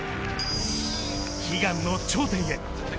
悲願の頂点へ。